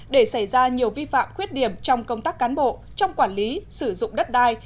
để xảy ra nhiều vi phạm khuyết điểm trong công tác cán bộ trong quản lý sử dụng đất đai